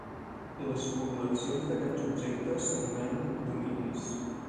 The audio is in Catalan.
Les col·leccions d'aquests objectes s'anomenen dominis.